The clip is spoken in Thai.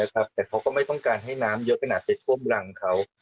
แต่เขาก็ไม่ต้องการให้น้ำเยอะขนาดไปท่วมรังเขา